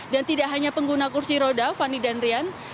dan tidak hanya pengguna kursi roda fanny dan rian